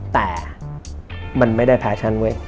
แต่มันไม่ได้แฟชั่นเว้ย